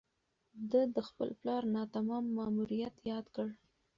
ده د خپل پلار ناتمام ماموریت یاد کړ.